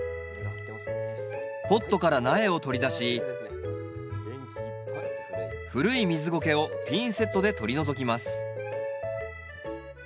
ポットから苗を取り出し古い水ごけをピンセットで取り除きます。